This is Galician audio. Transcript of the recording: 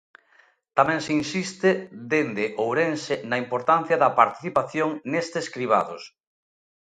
Tamén se insiste dende Ourense na importancia da participación nestes cribados.